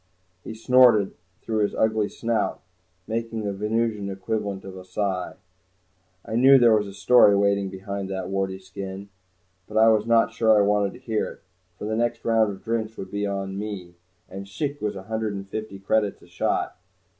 He snorted through his ugly snout, making the Venusian equivalent of a sigh. I knew there was a story waiting behind that warty skin, but I was not sure I wanted to hear it. For the next round of drinks would be on me, and shchikh was a hundred and fifty credits a shot.